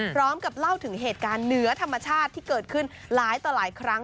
พร้อมกับเล่าถึงเหตุการณ์เหนือธรรมชาติที่เกิดขึ้นหลายต่อหลายครั้ง